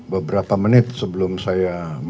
beberapa menit sebelum saya